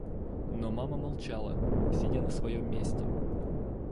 Но мама молчала, сидя на своем месте.